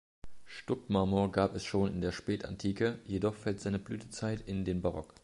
Stuckmarmor gab es schon in der Spätantike, jedoch fällt seine Blütezeit in den Barock.